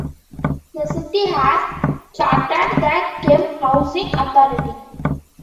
The City has chartered the Kemp Housing Authority.